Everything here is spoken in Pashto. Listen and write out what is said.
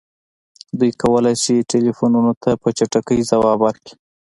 دوی کولی شي ټیلیفونونو ته په چټکۍ ځواب ورکړي